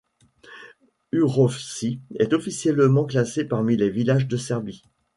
Urovci est officiellement classé parmi les villages de Serbie.